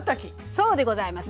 そうでございます。